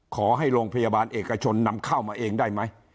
ขอให้โรงพยาบาลเอกชนนำเข้ามาเองได้ไหม